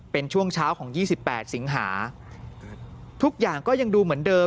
เป็นช่วงเช้าของ๒๘สิงหาทุกอย่างก็ยังดูเหมือนเดิม